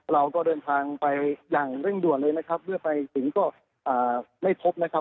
เราก็เดินทางไปอย่างเร่งด่วนเลยนะครับเมื่อไปถึงก็ไม่พบนะครับ